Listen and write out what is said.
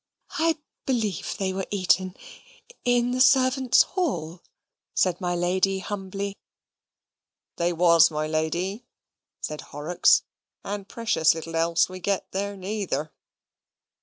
"I believe they were eaten in the servants' hall," said my lady, humbly. "They was, my lady," said Horrocks, "and precious little else we get there neither."